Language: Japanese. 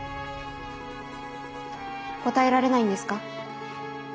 答えられないんですか？